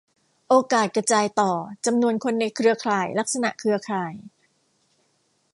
โอกาสกระจายต่อ จำนวนคนในเครือข่าย ลักษณะเครือข่าย